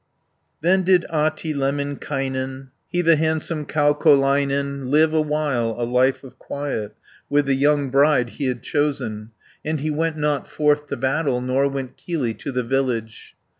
Then did Ahti Lemminkainen, He the handsome Kaukolainen Live awhile a life of quiet With the young bride he had chosen, And he went not forth to battle, Nor went Kylli to the village.